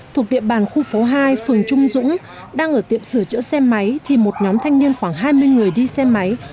thuộc địa bàn khu phố hai phường trung dũng đang ở tiệm sửa chữa xe máy thì một nhóm thanh niên khoảng hai mươi người đi xe máy